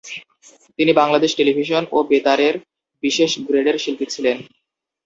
তিনি বাংলাদেশ টেলিভিশন ও বেতারের বিশেষ গ্রেডের শিল্পী ছিলেন।